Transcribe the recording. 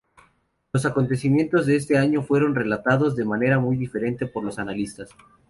Los acontecimientos de este año fueron relatados de manera muy diferente por los analistas.